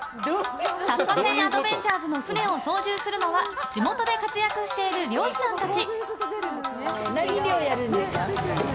サッパ船アドベンチャーズの船を操縦するのは地元で活躍している漁師さんたち。